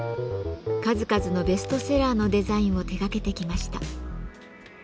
数々のベストセラーのデザインを手がけてきました。